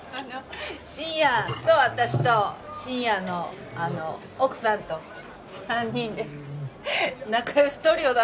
深夜と私と深夜の奥さんと３人で仲良しトリオだったのよ。